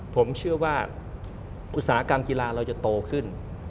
ผมเชื่อว่าอุตสาหกรรมกีฬาเราจะโตขึ้น